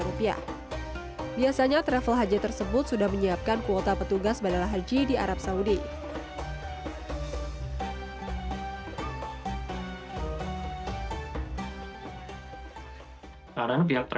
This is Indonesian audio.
selain itu sejumlah travel haji juga menyediakan fasilitas badal haji dengan kisaran harga rp lima belas hingga rp dua puluh lima juta